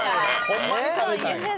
ホンマに食べたんや。